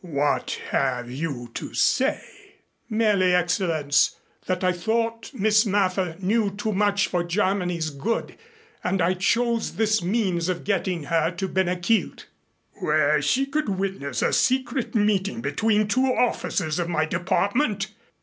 "What have you to say?" "Merely, Excellenz, that I thought Miss Mather knew too much for Germany's good and I chose this means of getting her to Ben a Chielt." "Where she could witness a secret meeting between two officers of my department?